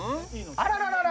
あらららら！